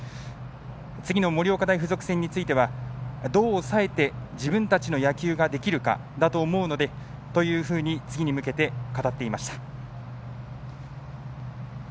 次の盛岡大付属戦についてはどう抑えて、自分たちの野球ができるかだと思うのでというふうに次に向けて語っていました。